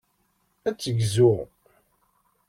Ad tegzu.